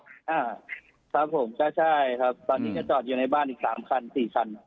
ครับผมก็ใช่ครับตอนนี้ก็จอดอยู่ในบ้านอีก๓๔คัน